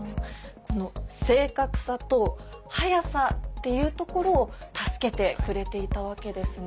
この正確さと速さっていうところを助けてくれていたわけですね。